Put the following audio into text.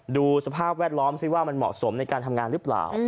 ดูสภาพแวดล้อมสิว่ามันเหมาะสมในการทำงานหรือเปล่า